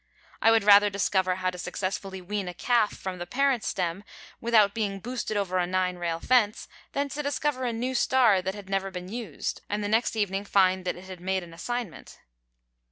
I would rather discover how to successfully wean a calf from the parent stem without being boosted over a nine rail fence, than to discover a new star that had never been used, and the next evening find that it had made an assignment.